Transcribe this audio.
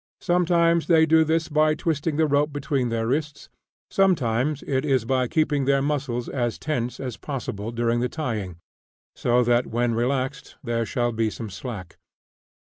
Sometimes they do this by twisting the rope between their wrists; sometimes it is by keeping their muscles as tense as possible during the tying, so that when relaxed there shall be some slack.